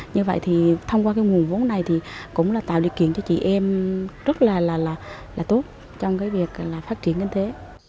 như vậy thì thông qua cái nguồn vốn này thì cũng là tạo điều kiện cho chị em rất là tốt trong cái việc là phát triển kinh tế